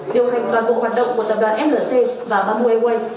điều hành toàn bộ hoạt động của tập đoàn flc và bamboo airways